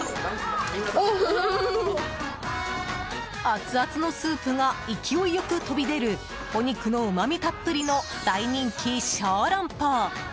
熱々のスープが勢い良く飛び出るお肉のうまみたっぷりの大人気、小龍包。